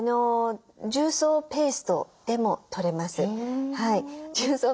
重曹ペーストでも取れます。